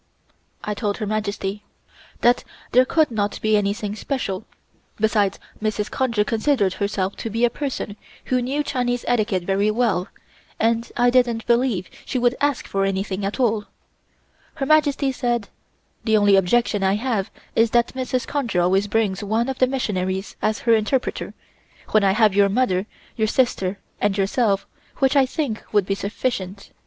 I told Her Majesty that there could not be anything special; besides, Mrs. Conger considered herself to be a person who knew Chinese etiquette very well, and I didn't believe she would ask for anything at all. Her Majesty said: "The only objection I have is that Mrs. Conger always brings one of the missionaries as her interpreter, when I have your mother, your sister and yourself, which I think should be sufficient.